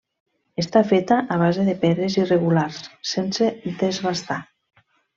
Està feta a base de pedres irregulars sense desbastar.